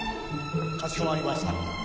かしこまりました。